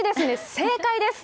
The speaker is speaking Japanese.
正解です！